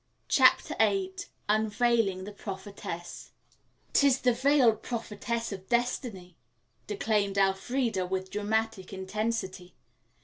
CHAPTER VIII UNVEILING THE PROPHETESS "'Tis the Veiled Prophetess of Destiny," declaimed Elfreda with dramatic intensity.